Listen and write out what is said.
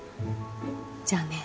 じゃあね。